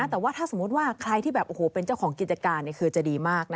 แต่ถ้าสมมติว่าใครที่เป็นเจ้าของกิจการคือจะดีมาก